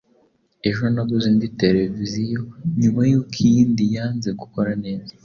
Ejo naguze indi tereviziyo nyuma y'uko iyindi yanze gukora neza.